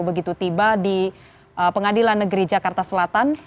begitu tiba di pengadilan negeri jakarta selatan